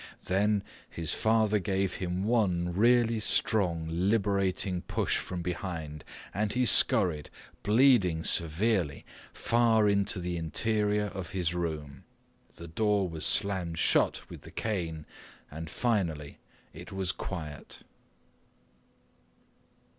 Then his father gave him one really strong liberating push from behind, and he scurried, bleeding severely, far into the interior of his room. The door was slammed shut with the cane, and finally it was quiet.